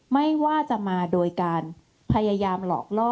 ไม่ว่าจะมาโดยการพยายามหลอกล่อ